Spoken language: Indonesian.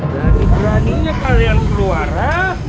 berani beraninya kalian keluar ya